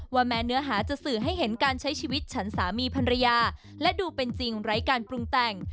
แม้เนื้อหาจะสื่อให้เห็นการใช้ชีวิตฉันสามีภรรยาและดูเป็นจริงไร้การปรุงแต่ง